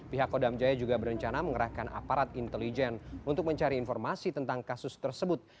pihak kodam jaya juga berencana mengerahkan aparat intelijen untuk mencari informasi tentang kasus tersebut